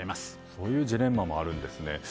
そういうジレンマもあるんですね。